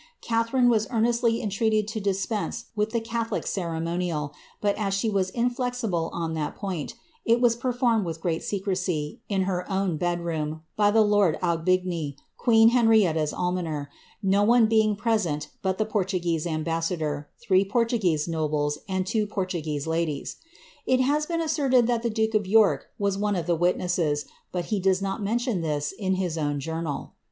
Catharine was earnestly entreated to dispense with the tiolic ceremonial, but as she was inflexible on that point, it was per ned with great secrecy, in her own bed room, by the lord Aubigny, «n Henrietta's almoner, no one being present but the Portuguese bassador, three Portuguese nobles, and two Portuguese ladies.* It I been asserted that the duke of York was one of the witnesses, but does not mention this in his own journal.'